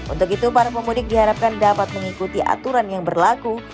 untuk itu para pemudik diharapkan dapat mengikuti aturan yang berlaku